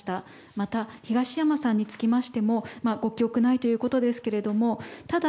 また、東山さんにつきましてもご記憶はないということですがただ、